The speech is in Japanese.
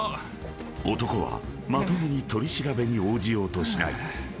［男はまともに取り調べに応じようとしない］